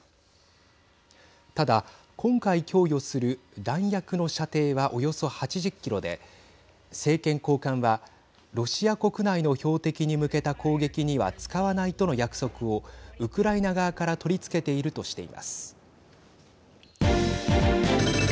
ただ、今回供与する弾薬の射程は、およそ８０キロで政権高官はロシア国内の標的に向けた攻撃には使わないとの約束をウクライナ側から取りつけているとしています。